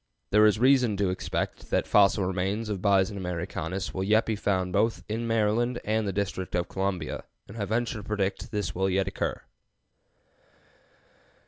There is reason to expect that fossil remains of Bison americanus will yet be found both in Maryland and the District of Columbia, and I venture to predict that this will yet occur.